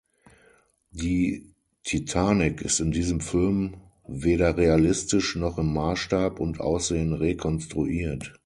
Die Titanic ist in diesem Film weder realistisch noch im Maßstab und Aussehen rekonstruiert.